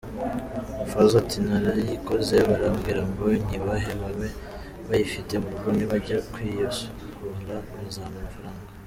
Fazzo ati: “Narayikoze barambwira ngo nyibahe babe bayifite mu rugo nibajya kuyisohora bazampa amafaranga.